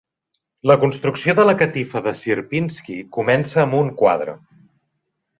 La construcció de la catifa de Sierpinski comença amb un quadre.